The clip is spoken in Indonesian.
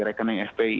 rekening fpi itu